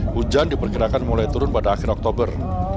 hujan diperkirakan mulai turun pada akhir oktober